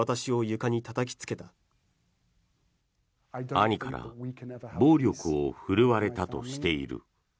兄から暴力を振るわれたとしている。